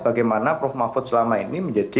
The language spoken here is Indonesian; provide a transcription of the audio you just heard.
bagaimana prof mahfud selama ini menjadi